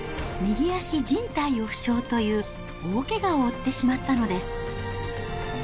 右脚じん帯を負傷という大けがを負ってしまったのです。